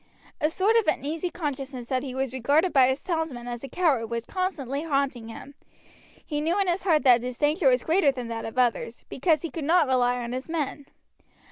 A sort of uneasy consciousness that he was regarded by his townsmen as a coward was constantly haunting him. He knew in his heart that his danger was greater than that of others, because he could not rely on his men.